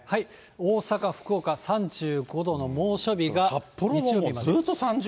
大阪、福岡、３５度の猛暑日が日曜日まで。